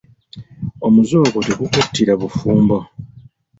Omuze ogwo tegukuttira bufumbo.